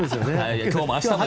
今日も明日もです。